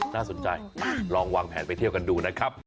น่าสนใจลองวางแผนไปเที่ยวกันดูนะครับ